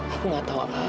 aku gak tau apa